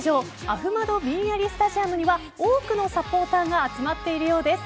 アフマドビンアリスタジアムには多くのサポーターが集まっているようです。